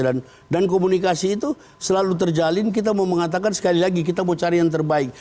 dan komunikasi itu selalu terjalin kita mau mengatakan sekali lagi kita mau cari yang terbaik